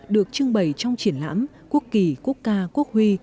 được trưng bày trong triển lãm quốc kỳ quốc ca quốc huy